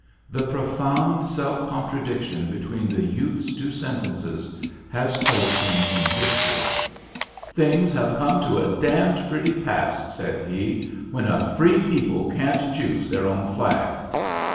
The profound sc contradiction between the youth's t sentences has placed him in histoi ^^ Things have come to a damned prel pass," said he, ^^when a free peo] can't choose their own flag.